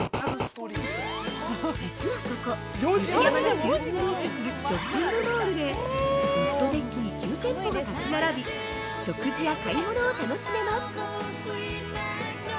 実はここ、雪山の中腹に位置するショッピングモールでウッドデッキに９店舗が立ち並び食事や買い物を楽しめます。